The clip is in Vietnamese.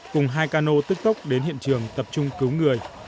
cùng hai cano tức tốc đến hiện trường tập trung cứu người